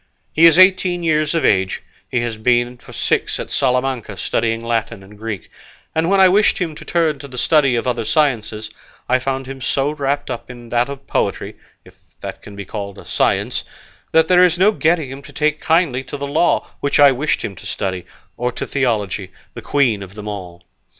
He is eighteen years of age; he has been for six at Salamanca studying Latin and Greek, and when I wished him to turn to the study of other sciences I found him so wrapped up in that of poetry (if that can be called a science) that there is no getting him to take kindly to the law, which I wished him to study, or to theology, the queen of them all.